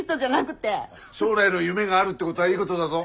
将来の夢があるってことはいいことだぞ。